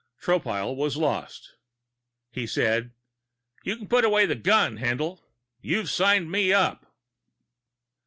Tropile was lost. He said: "You can put away the gun, Haendl. You've signed me up."